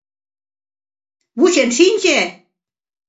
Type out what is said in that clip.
Вучен шинче!